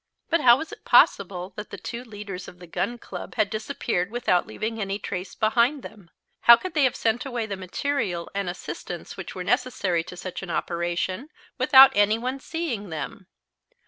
But how was it possible that the two leaders of the Gun Club had disappeared without leaving any trace behind them? How could they have sent away the material and assistants which were necessary to such an operation without any one seeing them?